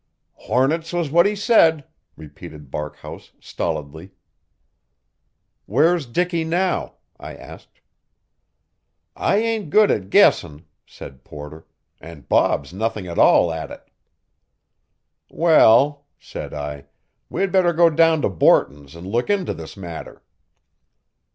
"Hornets was what he said," repeated Barkhouse stolidly. "Where's Dicky now?" I asked. "I ain't good at guessing," said Porter, "and Bob's nothing at all at it." "Well," said I, "we had better go down to Borton's and look into this matter."